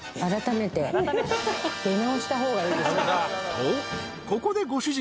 ［とここでご主人から］